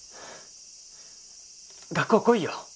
学校来いよ。